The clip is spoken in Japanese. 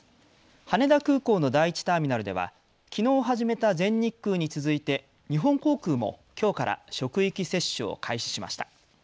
羽田空港の第１ターミナルではきのう始めた全日空に続いて日本航空もきょうから職域接種を開始しました。